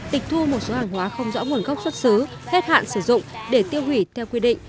tịch thu một số hàng hóa không rõ nguồn gốc xuất xứ hết hạn sử dụng để tiêu hủy theo quy định